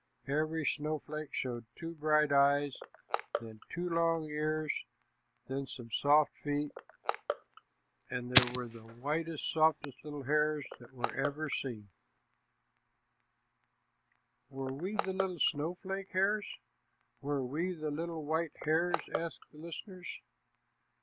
Every snowflake showed two bright eyes, then two long ears, then some soft feet, and there were the whitest, softest little hares that were ever seen." "Were we the little white hares?" asked the listeners.